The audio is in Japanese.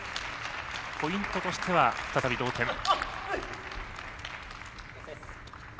ポイントとしては再び同点。